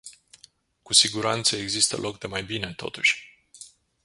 Cu siguranță, există loc de mai bine, totuși.